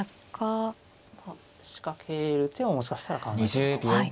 仕掛ける手ももしかしたら考えてるかもしれないですね。